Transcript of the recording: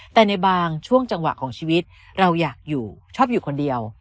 แต่ในบางช่วงจังหวะของชีวิตเราอยากอยู่ชอบอยู่คนเดียว